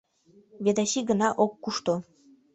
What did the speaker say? Ведаси гына ок кушто.